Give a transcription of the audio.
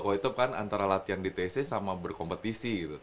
kalau itu kan antara latihan di tc sama berkompetisi gitu